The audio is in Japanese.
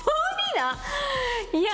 いや！